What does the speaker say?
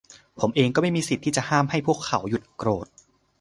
ผมเองก็ไม่มีสิทธิ์ที่จะห้ามให้พวกเขาหยุดโกรธ